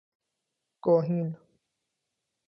گاهین